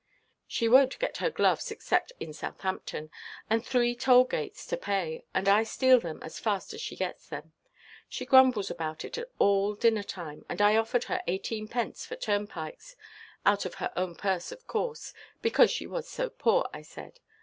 She wonʼt get her gloves except in Southampton, and three toll–gates to pay, and I steal them as fast as she gets them. She grumbles about it all dinner–time, and I offered her eighteenpence for turnpikes—out of her own purse, of course—because she was so poor, I said.